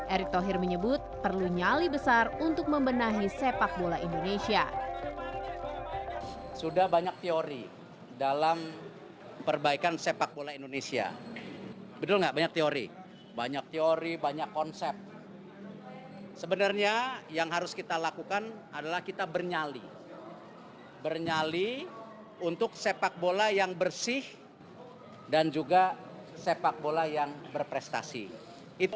eriq tohir menyebut perlu nyali besar untuk membenahi sepak bola indonesia